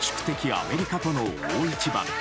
アメリカとの大一番。